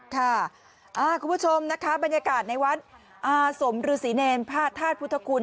คุณผู้ชมนะคะบรรยากาศในวัดอาสมฤษีเนรพระธาตุพุทธคุณ